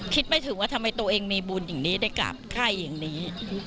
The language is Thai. คิดไม่ถึงว่าทำไมตัวเองมีบุญอย่างนี้ได้กราบไข้อย่างนี้